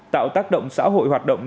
tạo tác động xã hội hoạt động